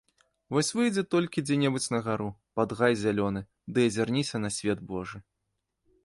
Вось выйдзі толькі дзе-небудзь на гару, пад гай зялёны, ды азірніся на свет божы!